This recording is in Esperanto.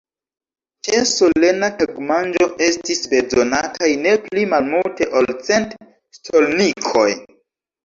Ĉe solena tagmanĝo estis bezonataj ne pli malmulte ol cent stolnikoj.